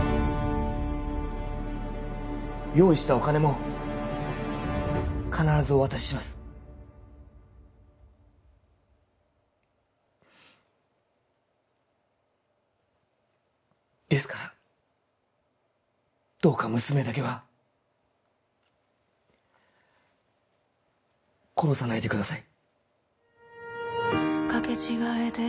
用意したお金も必ずお渡ししますですからどうか娘だけは殺さないでください